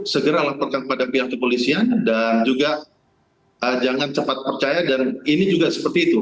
segera laporkan kepada pihak kepolisian dan juga jangan cepat percaya dan ini juga seperti itu